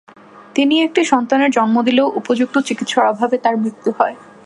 তিনি একটি সন্তানের জন্ম দিলেও উপযুক্ত চিকিৎসার অভাবে তার মৃত্যু হয়।